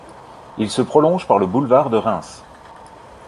Il se prolonge par le boulevard de Reims.